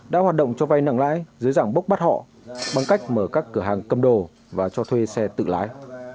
đã hoạt động cho vay nặng lãi dưới dạng bốc bắt họ bằng cách mở các cửa hàng cầm đồ và cho thuê xe tự lái